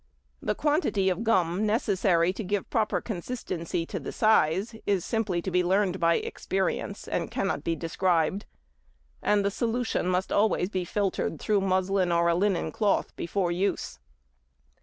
The quantity of gum necessary to give proper consistency to the size is simply to be learned by experience, and cannot be described; and the solution must always be filtered through muslin or a linen cloth before use.